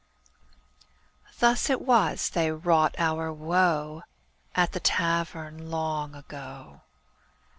Thus it was they wrought our woe At the Tavern long ago.